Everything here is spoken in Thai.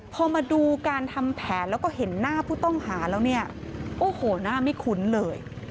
พอมาดูการทำแผนแล้วก็เห็นหน้าผู้ต้องหาแล้วเนี่ยโอ้โหหน้าไม่คุ้นเลย